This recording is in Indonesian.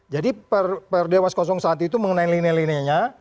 jadi per dewas satu itu mengenai linianya